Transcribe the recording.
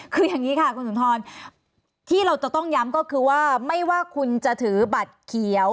คืออย่างนี้ค่ะคุณสุนทรที่เราจะต้องย้ำก็คือว่าไม่ว่าคุณจะถือบัตรเขียว